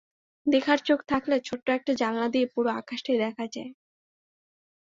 দেখার চোখ থাকলে ছোট্ট একটা জানালা দিয়ে পুরো আকাশটাই দেখা যায়।